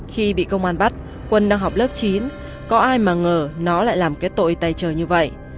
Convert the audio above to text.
khi bị công an bắt quân đang học lớp chín có ai mà ngờ nó lại làm cái tội tay chờ như vậy